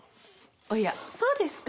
おやそうですか。